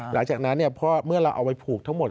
หลังจากนั้นเมื่อเราเอาไปผูกทั้งหมด